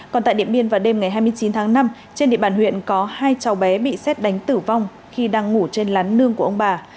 còn tại điện biên vào đêm ngày hai mươi chín tháng năm trên địa bàn huyện có hai cháu bé bị xét đánh tử vong khi đang ngủ trên lán nương của ông bà